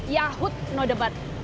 yahut no debat